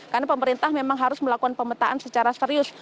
karena pemerintah memang harus melakukan pemetaan secara serius